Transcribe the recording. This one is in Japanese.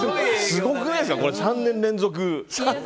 すごくないですか、３年連続。